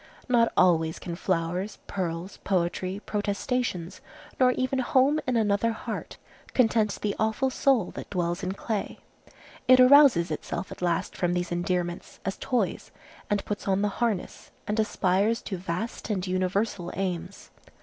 Not always can flowers, pearls, poetry, protestations, nor even home in another heart, content the awful soul that dwells in clay. It arouses itself at last from these endearments, as toys, and puts on the harness and aspires to vast and universal aims.